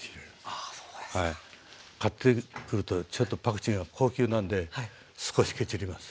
あそうですか。買ってくるとちょっとパクチーが高級なんで少しケチります。